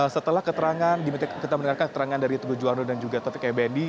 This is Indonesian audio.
setelah kita mendengarkan keterangan dari tugu juwarno dan juga tupik ebendi